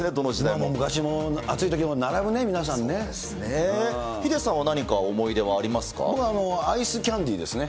今も昔も、暑いときに並ぶね、ヒデさんは何か、思いはあり僕はアイスキャンディーですね。